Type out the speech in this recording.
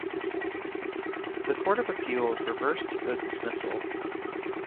The Court of Appeals reversed the dismissal.